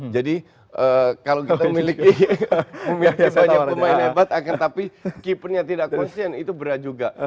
jadi kalau kita memiliki banyak pemain hebat tapi keepernya tidak konsisten itu berat juga